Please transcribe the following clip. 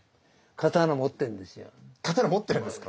刀持ってるんですか？